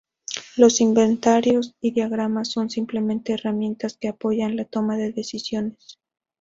Los inventarios y diagramas son simplemente herramientas que apoyan la toma de decisiones.